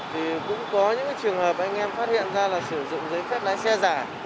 thì cũng có những trường hợp anh em phát hiện ra là sử dụng giấy phép lái xe giả